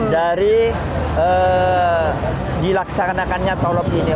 dari dilaksanakannya tolop ini